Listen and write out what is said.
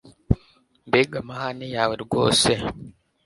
mbega amahane yawe rwose